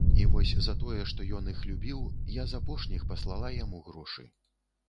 І вось за тое, што ён іх любіў, я з апошніх паслала яму грошы.